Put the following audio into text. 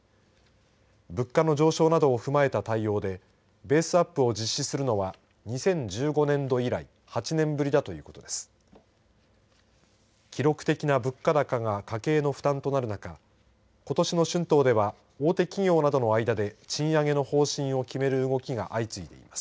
物価の上昇などを踏まえた対応でベースアップを実施するのは２０１５年度以来８年ぶりだということです。